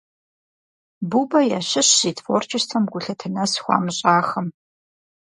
Бубэ ящыщщ зи творчествэм гулъытэ нэс хуамыщӀахэм.